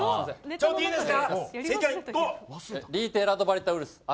ちょっといいですか。